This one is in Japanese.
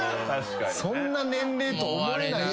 そんな年齢と思えない。